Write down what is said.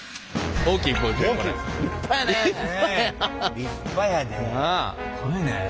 立派やで。